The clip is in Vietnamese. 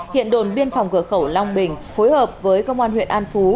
hiện đồn biên phòng cửa khẩu long bình phối hợp với công an huyện an phú